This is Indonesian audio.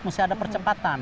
mesti ada percepatan